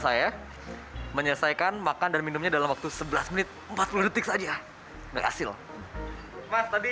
saya menyelesaikan makan dan minumnya dalam waktu sebelas menit empat puluh detik saja berhasil mas tadi